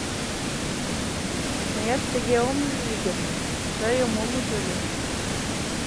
Мыят тыге ом лий гын, тыйым ом уж ыле.